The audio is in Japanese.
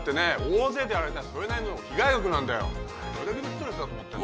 大勢でやられたらそれなりの被害額なんだよどれだけのストレスだと思ってんだよ